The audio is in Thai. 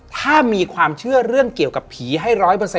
ถ้ามีความเชื่อเรื่องเกี่ยวกับผีให้๑๐๐